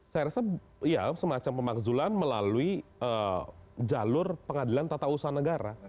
saya rasa ya semacam pemakzulan melalui jalur pengadilan tata usaha negara